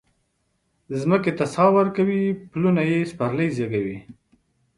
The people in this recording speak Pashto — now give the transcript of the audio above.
مځکې ته ساه ورکوي پلونه یي سپرلي زیږوي